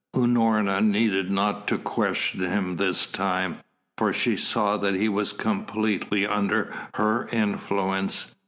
Unorna needed not to question him this time, for she saw that he was completely under her influence.